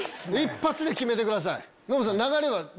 １発で決めてください。